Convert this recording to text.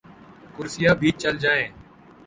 کرسیاں بھی چل جائیں۔